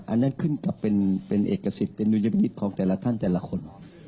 อันนั้นขึ้นกับเป็นเอกสิทธิ์เป็นดุลยพิษของแต่ละท่านแต่ละคน